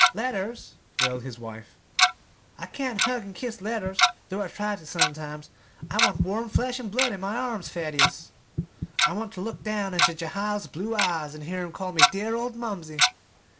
"Letters!" wailed his wife. "I can't hug an' kiss letters, though I try to, sometimes. I want warm flesh an' blood in my arms, Thaddeus; I want ter look down into Jehiel's blue eyes an' hear him call me 'dear old mumsey!'